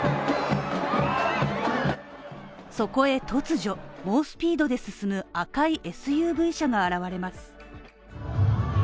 そこへ突如、猛スピードで進む赤いＳＵＶ車が現れます。